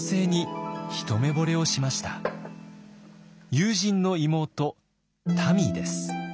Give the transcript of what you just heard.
友人の妹たみです。